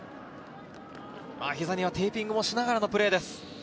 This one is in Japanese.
膝にはテーピングもしながらのプレーです。